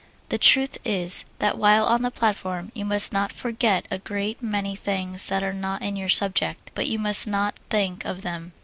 The truth is that while on the platform you must not forget a great many things that are not in your subject, but you must not think of them.